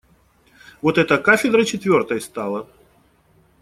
Вот эта кафедра четвертой стала.